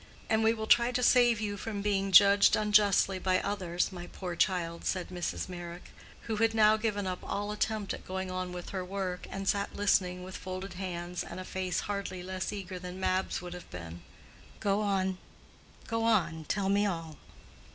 "And we will try to save you from being judged unjustly by others, my poor child," said Mrs. Meyrick, who had now given up all attempt at going on with her work, and sat listening with folded hands and a face hardly less eager than Mab's would have been. "Go on, go on: tell me all."